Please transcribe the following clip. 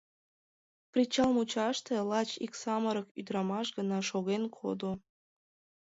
Причал мучаште лач ик самырык ӱдырамаш гына шоген кодо.